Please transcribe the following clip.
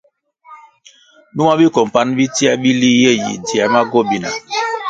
Numa bicompanʼ bitsiē bili ye yi dziē ma gobina.